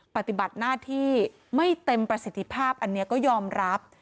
ปฏิบัติหน้าที่ไม่เต็มประสิทธิภาพอันนี้ก็ยอมรับ